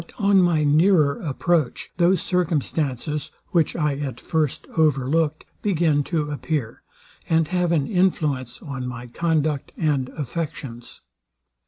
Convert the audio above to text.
But on my nearer approach, those circumstances, which I at first over looked, begin to appear, and have an influence on my conduct and affections.